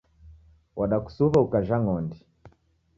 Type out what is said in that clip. Wadakusuw'a ukajha ng'ondi.